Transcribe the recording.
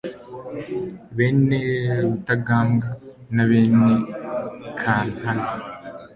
bene rutagambwa ,na bene kankazi